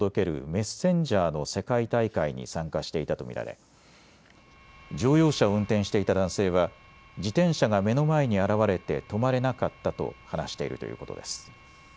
メッセンジャーの世界大会に参加していたと見られ乗用車を運転していた男性は自転車が目の前に現れて止まれなかったと話しているということです。